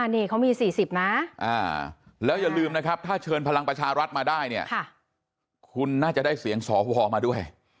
นี่เขามี๔๐นะแล้วอย่าลืมนะครับถ้าเชิญพลังประชารัฐมาได้เนี่ยคุณน่าจะได้เสียงสวมาด้วย